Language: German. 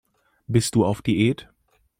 Bist du auf Diät?